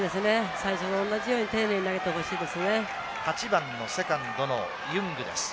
最初と同じように丁寧に投げてほしいですね。